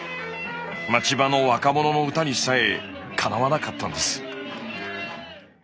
街場の若者の歌にさえかなわなかったんです。